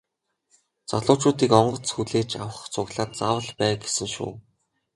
Залуучуудыг онгоц хүлээж авах цуглаанд заавал бай гэсэн шүү.